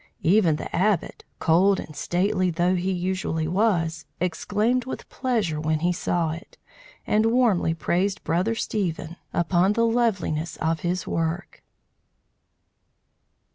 Even the Abbot, cold and stately though he usually was, exclaimed with pleasure when he saw it, and warmly praised Brother Stephen upon the loveliness of his work.